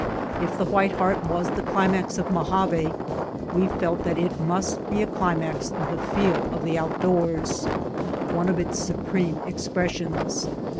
If the White Heart was the climax of Mojave we felt that it must be a climax of the feel of the outdoors, one of its supreme expressions.